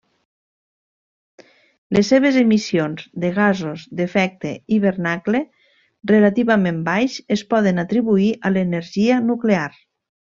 Les seves emissions de gasos d'efecte hivernacle relativament baix es poden atribuir a l'energia nuclear.